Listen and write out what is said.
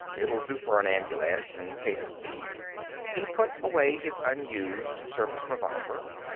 It'll do for a ambulance, in case of need." He put away his unused service revolver.